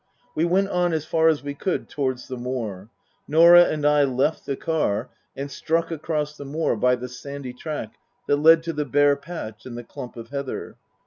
We went on as far as we could towards the moor. Norah and I left the car and struck across the moor by the sandy track that led to the bare patch and the clump of heather.